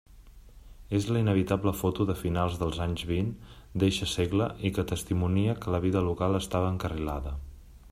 És la inevitable foto de finals dels anys vint d'eixe segle i que testimonia que la vida local estava encarrilada.